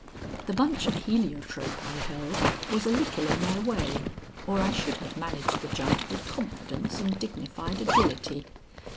The bunch of heliotrope I held was a little in my way or I should have managed the jump with confidence and dignified agility.